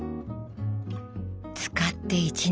使って１年。